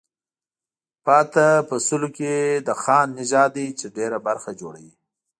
پاتې په سلو کې د خان نژاد دی چې ډېره برخه جوړوي.